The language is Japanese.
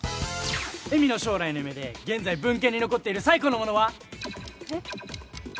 恵美の将来の夢で現在文献に残っている最古のものは？えっ？